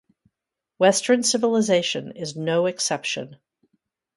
Western civilization is no exception.